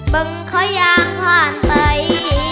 เป็นขยางผ่านไป